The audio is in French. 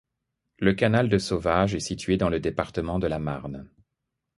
Le canal de Sauvage est situé dans le département de la Marne.